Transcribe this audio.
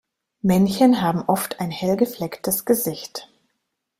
Männchen haben oft ein hell geflecktes Gesicht.